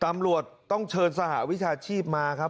ตำรวจต้องเชิญสหวิชาชีพมาครับ